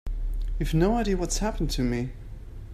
You have no idea what's happened to me.